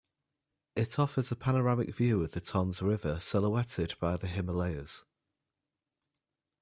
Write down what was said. It offers a panoramic view of the Tons River silhouetted by the Himalayas.